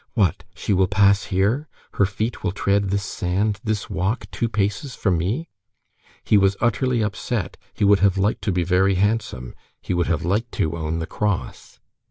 "What! She will pass here? Her feet will tread this sand, this walk, two paces from me?" He was utterly upset, he would have liked to be very handsome, he would have liked to own the cross.